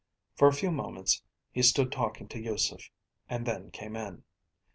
For a few moments he stood talking to Yusef and then came in.